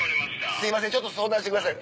すいませんちょっと相談してください